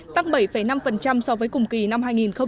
tăng bảy năm so với cùng kỳ năm hai nghìn một mươi tám